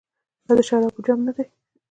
دا د شرابو جام ندی.